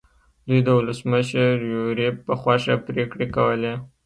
دوی د ولسمشر یوریب په خوښه پرېکړې کولې.